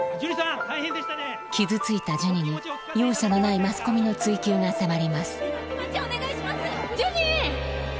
傷ついたジュニに容赦のないマスコミの追及が迫りますジュニ！